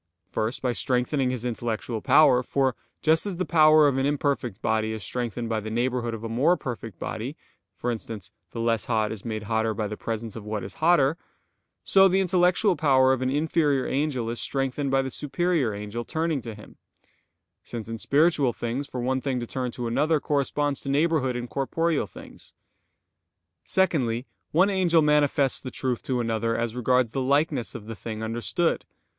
First, by strengthening his intellectual power; for just as the power of an imperfect body is strengthened by the neighborhood of a more perfect body for instance, the less hot is made hotter by the presence of what is hotter; so the intellectual power of an inferior angel is strengthened by the superior angel turning to him: since in spiritual things, for one thing to turn to another, corresponds to neighborhood in corporeal things. Secondly, one angel manifests the truth to another as regards the likeness of the thing understood.